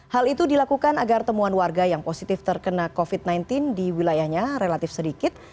hal itu dilakukan agar temuan warga yang positif terkena covid sembilan belas di wilayahnya relatif sedikit